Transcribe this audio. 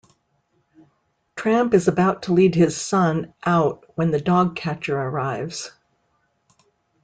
Tramp is about to lead his son out when the dogcatcher arrives.